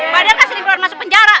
badar kan sering keluar masuk penjara